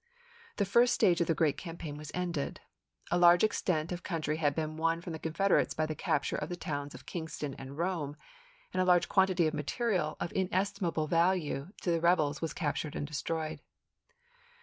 The first stage of the great campaign was ended. A large extent of country had been won from the Con federates by the capture of the towns of Kingston and Rome ; and a large quantity of material of inestima ble value to the rebels was captured and destroyed.